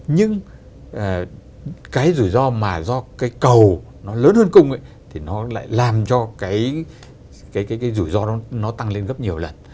nhưng cái rủi ro mà do cái cầu nó lớn hơn cung thì nó lại làm cho cái rủi ro nó tăng lên gấp nhiều lần